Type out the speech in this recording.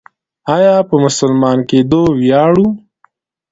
آیا په مسلمان کیدو ویاړو؟